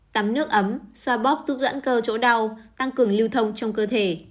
tắm nước ấm xoa bóp giúp dẫn cơ chỗ đau tăng cường lưu thông trong cơ thể